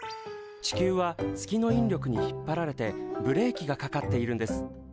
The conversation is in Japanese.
地球は月の引力に引っ張られてブレーキがかかっているんです。